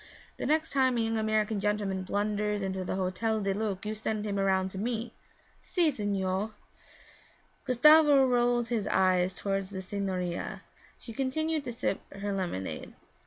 'The next time a young American gentleman blunders into the Hotel du Lac you send him around to me.' 'Si, signore.' Gustavo rolled his eyes toward the signorina; she continued to sip her lemonade.